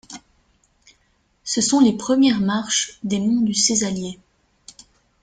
Ce sont les premières marches des monts du Cézallier.